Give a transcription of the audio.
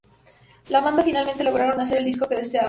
La banda finalmente lograron hacer el disco que deseaban.